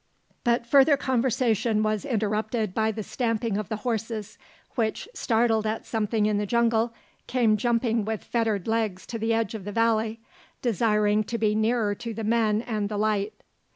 But further conversation was interrupted by the stamping of the horses, which, startled at something in the jungle, came jumping with fettered legs to the edge of the valley, desiring to be nearer to the men and the light.